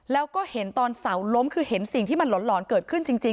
แล้วก็เห็นตอนเสาล้มคือเห็นสิ่งที่มันหลอนเกิดขึ้นจริง